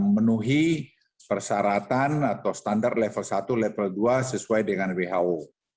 menuhi persyaratan atau standar level satu level dua sesuai dengan who